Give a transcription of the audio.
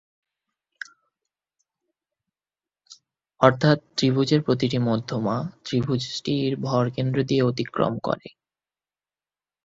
অর্থাৎ ত্রিভুজের প্রতিটি মধ্যমা ত্রিভুজটির ভরকেন্দ্র দিয়ে অতিক্রম করে।